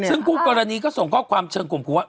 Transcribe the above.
ซึ่งคู่กรณีก็ส่งข้อความเชิงข่มครูว่า